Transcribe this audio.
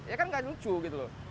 ya kan gak lucu gitu loh